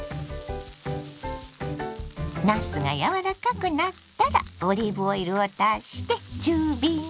なすが柔らかくなったらオリーブオイルを足して中火に。